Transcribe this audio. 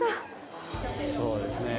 そうですね